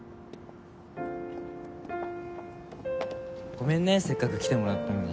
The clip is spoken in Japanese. ごめんねせっかく来てもらったのに。